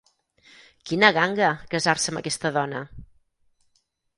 Quina ganga, casar-se amb aquesta dona!